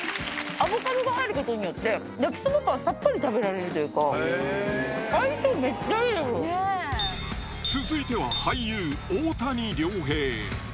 アボカドが入ることによって、焼きそばパンさっぱり食べられるというか、続いては俳優、大谷亮平。